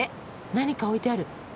何か置いてある。